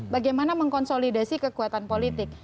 bagaimana mengkonsolidasi kekuatan politik